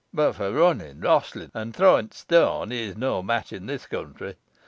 Boh for running, rostling, an' throwing t' stoan, he'n no match i' this keawntry.